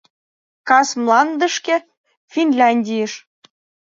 Кас мландышке — Финляндийыш...